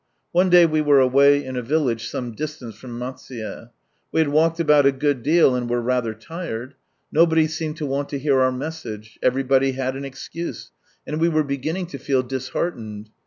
One day we were away in a village some distance from Matsuye. \Ve had walked about a good deal, and were rather tired. Nobody seemed to want to hear out message, everybody had an excuse, and we were beginning to feel disheartened.